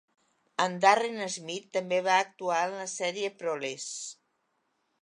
En Darren Smith també va actuar en la sèrie "Proles".